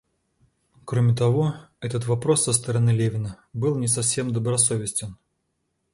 Кроме того, этот вопрос со стороны Левина был не совсем добросовестен.